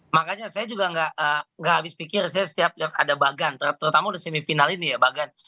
makanya saya juga gak habis pikir saya setiap ada bagan terutama di semifinal ini ya bagan